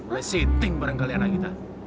boleh setting bareng kalian agita